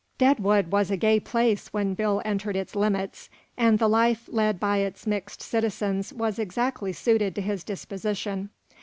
Deadwood was a gay place when Bill entered its limits, and the life led by its mixed citizens was exactly suited to his disposition.